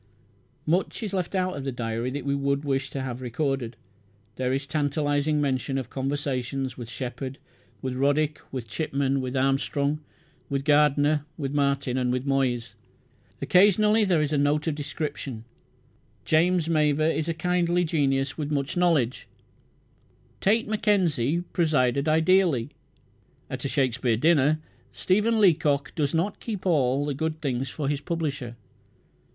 Much is left out of the diary that we would wish to have recorded. There is tantalizing mention of "conversations" with Shepherd with Roddick with Chipman with Armstrong with Gardner with Martin with Moyse. Occasionally there is a note of description: "James Mavor is a kindly genius with much knowledge"; "Tait McKenzie presided ideally" at a Shakespeare dinner; "Stephen Leacock does not keep all the good things for his publisher."